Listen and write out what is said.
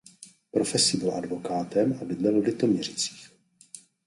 Profesí byl advokátem a bydlel v Litoměřicích.